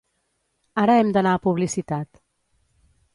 Ara hem d'anar a publicitat.